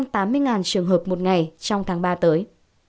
một trăm tám mươi trường hợp một ngày trong tháng ba tới